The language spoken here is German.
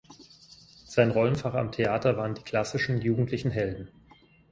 Sein Rollenfach am Theater waren die klassischen, jugendlichen Helden.